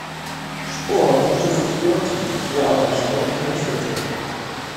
Spohr wünschte sich Viotti, der aber nicht mehr unterrichtete.